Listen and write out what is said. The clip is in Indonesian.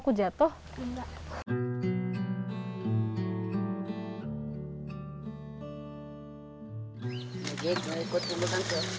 aku diajak tangkil kamu ikut